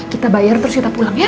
kita bayar terus kita pulang ya